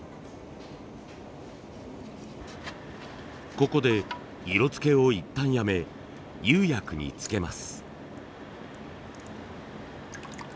ここで色つけを一旦やめ釉薬につけます。